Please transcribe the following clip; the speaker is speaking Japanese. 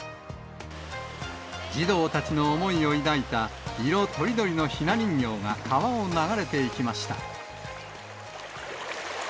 児童たちの思いを抱いた色とりどりのひな人形が川を流れていきました。